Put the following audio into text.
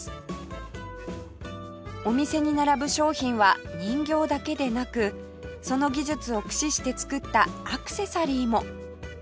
お店に並ぶ商品は人形だけでなくその技術を駆使して作ったアクセサリーも